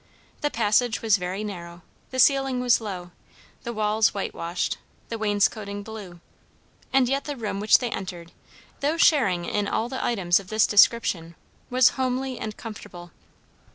The passage was very narrow, the ceiling was low, the walls whitewashed, the wainscotting blue; and yet the room which they entered, though sharing in all the items of this description, was homely and comfortable.